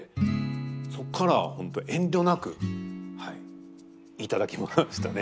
そこからは本当遠慮なくはい頂きましたね